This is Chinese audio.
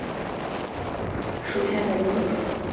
槲蕨是水龙骨科槲蕨属下的一个种。